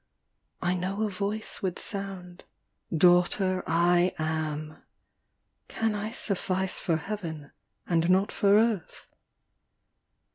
I know a Voice would sound, " Daughter, I AM. Can I suffice for Heaven, and not for earth